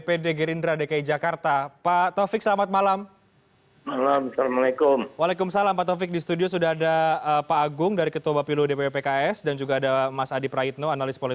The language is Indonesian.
prime news akan kembali sesaat lagi